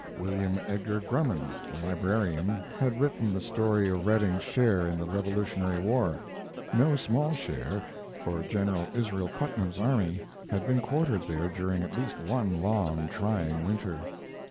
William Edgar Grumman, the librarian, had written the story of Redding's share in the Revolutionary War no small share, for Gen. Israel Putnam's army had been quartered there during at least one long, trying winter.